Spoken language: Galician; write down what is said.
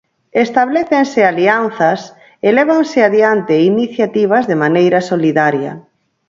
Establécense alianzas e lévanse adiante iniciativas de maneira solidaria.